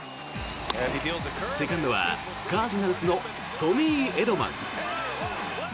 セカンドはカージナルスのトミー・エドマン。